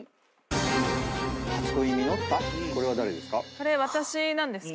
これは誰ですか？